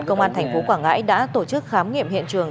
công an tp quảng ngãi đã tổ chức khám nghiệm hiện trường